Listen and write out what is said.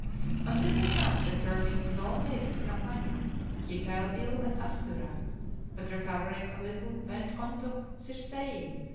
On this account, returning in all haste to Campania, he fell ill at Astura ; but recovering a little, went on to Circeii .